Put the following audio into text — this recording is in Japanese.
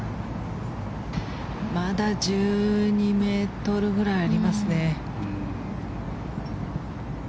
まだ１２ｍぐらいありますね。